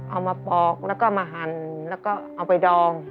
เอามาปอกแล้วก็มาหั่นแล้วก็เอาไปดอง